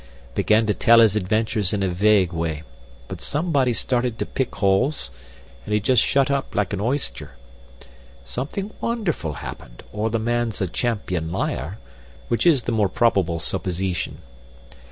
Began to tell his adventures in a vague way, but somebody started to pick holes, and he just shut up like an oyster. Something wonderful happened or the man's a champion liar, which is the more probable supposeetion.